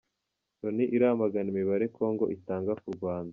Loni iramagana imibare kongo itanga ku Rwanda